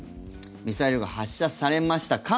ミサイルが発射されました。